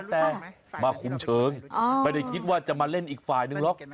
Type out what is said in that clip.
แต่มาคุมเชิงไม่ได้คิดว่าจะมาเล่นอีกฝ่ายนึงหรอก